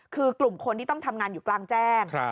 คือกลุ่มคนที่ต้องทำงานอยู่กลางแจ้ง